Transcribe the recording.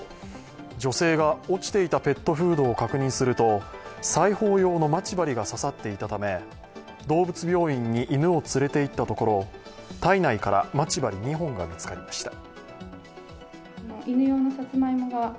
女性が落ちていたペットフードを確認すると裁縫用の待ち針が刺さっていたため動物病院に犬を連れていったところ体内からまち針２本が見つかりました。